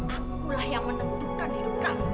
akulah yang menentukan hidup kamu